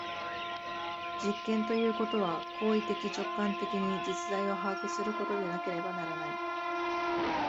実験ということは行為的直観的に実在を把握することでなければならない。